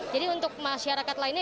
jadi untuk masyarakat lainnya